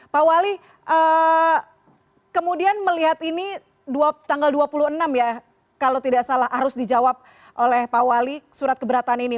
pak wali kemudian melihat ini tanggal dua puluh enam ya kalau tidak salah harus dijawab oleh pak wali surat keberatan ini